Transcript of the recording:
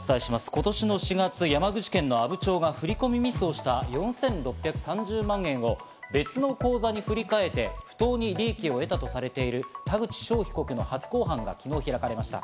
今年の４月、山口県阿武町が振り込みミスをした４６３０万円を別の口座に振り替えて不当に利益を得たとされている田口翔被告の初公判が昨日開かれました。